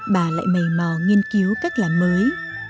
bà lại mầy mò nghiên cứu cách làm mới